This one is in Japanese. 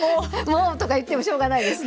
もうとか言ってもしょうがないですね。